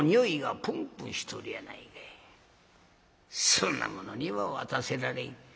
そんな者には渡せられん。